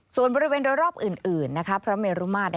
ส่วนบริเวณโดยรอบอื่นพระเมรุมาตร